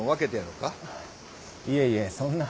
いえいえそんな。